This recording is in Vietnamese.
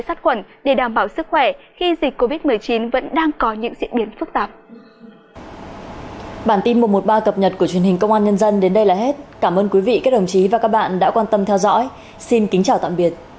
sát khuẩn để đảm bảo sức khỏe khi dịch covid một mươi chín vẫn đang có những diễn biến phức tạp